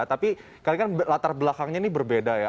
tapi karena kan latar belakangnya ini berbeda ya